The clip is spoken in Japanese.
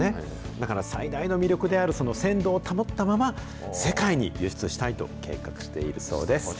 だから最大の魅力である、その鮮度を保ったまま、世界に輸出したいと計画しているそうです。